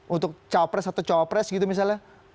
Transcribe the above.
untuk cowok pres atau cowok pres gitu misalnya